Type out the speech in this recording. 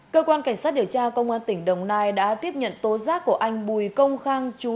cơ quan cảnh sát điều tra công an tỉnh đồng nai đã tiếp nhận tố giác của anh bùi công khang